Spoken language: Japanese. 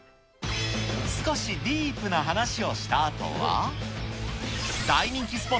少しディープな話をしたあとわー！